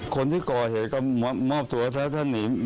คนที่กลห่อให้กลมอบตัวถ้าจัดหนีมมม